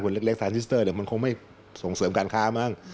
เล็กซานทิสเตอร์เดี๋ยวมันคงไม่ส่งเสริมการค้ามั้ง